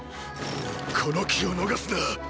この機を逃すな！！